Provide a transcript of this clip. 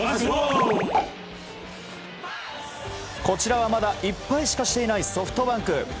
こちらはまだ１敗しかしていないソフトバンク。